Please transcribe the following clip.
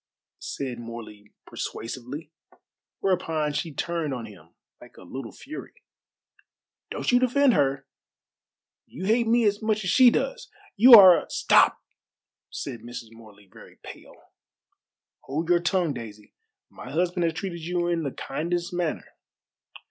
said Morley persuasively, whereupon she turned on him like a little fury. "Don't you defend her. You hate me as much as she does. You are a " "Stop!" said Mrs. Morley, very pale. "Hold your tongue, Daisy. My husband has treated you in the kindest manner.